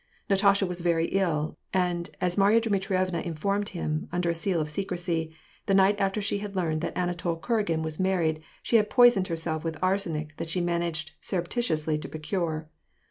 Natasha was very ill ; and, as Marya Ihnitrievna informed him, under seal of secrecy, the night after she had learned that Anatol Kuragin was married, she had poisoned herself with arsenic that she had managed surreptitiously to procure.